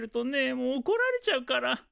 もうおこられちゃうから。